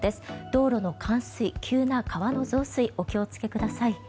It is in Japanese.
道路の冠水、急な川の増水お気をつけください。